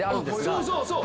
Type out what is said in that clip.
そうそうそう！